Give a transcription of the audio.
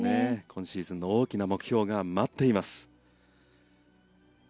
今シーズンの大きな目標が待っています。